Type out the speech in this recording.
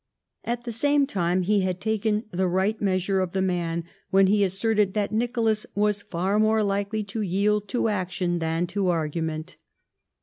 At the same time, he had taken the right measure of the man when he asserted that Nicholas was far more likely to yield to action than to argument.